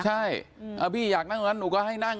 ใช่พี่อยากนั่งตรงนั้นหนูก็ให้นั่ง